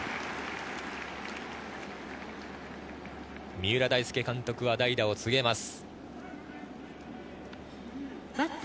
三浦大輔監督は代打を告げます。